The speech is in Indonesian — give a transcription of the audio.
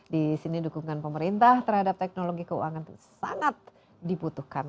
di sini dukungan pemerintah terhadap teknologi keuangan itu sangat dibutuhkan